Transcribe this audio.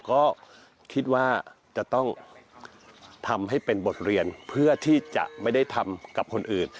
ก็คิดว่าจะต้องทำให้เป็นบทเรียนเพื่อที่จะไม่ได้ทำกับคนอื่น